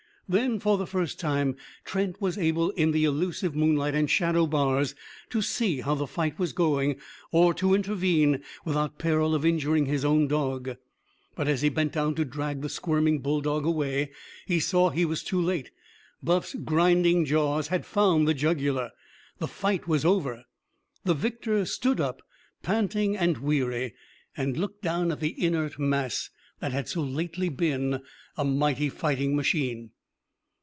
Then for the first time Trent was able in the elusive moonlight and shadow bars to see how the fight was going or to intervene without peril of injuring his own dog. But as he bent down to drag the squirming bulldog away he saw he was too late. Buff's grinding jaws had found the jugular. The fight was over. The victor stood up, panting and weary, and looked down at the inert mass that had so lately been a mighty fighting machine.